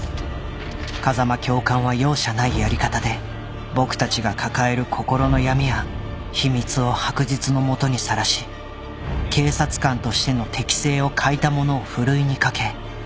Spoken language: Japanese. ［風間教官は容赦ないやり方で僕たちが抱える心の闇や秘密を白日の下にさらし警察官としての適性を欠いた者をふるいにかけ追い出していった］